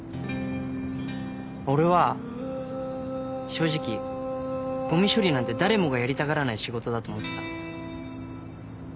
俺は正直ごみ処理なんて誰もがやりたがらない仕事だと思ってた。